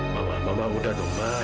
mama mama udah dong ma